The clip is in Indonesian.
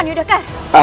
hanya di sini